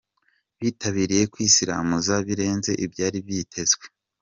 Bitabiriye kwisiramuza birenze ibyari byitezwe